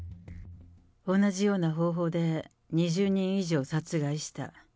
同じような方法で、２０人以上殺害した。